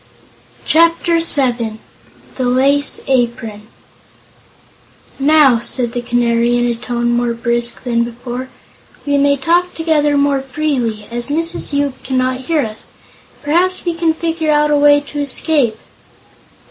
Chapter Seven The Lace Apron "Now," said the Canary, in a tone more brisk than before, "we may talk together more freely, as Mrs. Yoop cannot hear us. Perhaps we can figure out a way to escape."